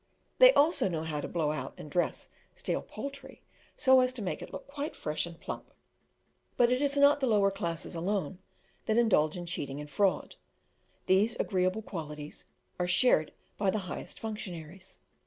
They also know how to blow out and dress stale poultry, so as to make it look quite fresh and plump. But it is not the lower classes alone that indulge in cheating and fraud; these agreeable qualities are shared by the highest functionaries.